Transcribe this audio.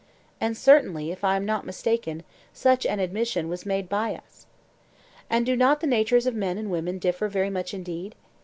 And certainly, if I am not mistaken, such an admission was made by us. 'And do not the natures of men and women differ very much indeed?